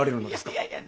いやいや。